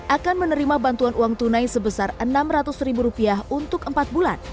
akan menerima bantuan uang tunai sebesar rp enam ratus ribu rupiah untuk empat bulan